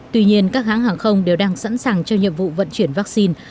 tuy nhiên các hãng hàng không đều đang sẵn sàng cho nhiệm vụ vận chuyển vắc xin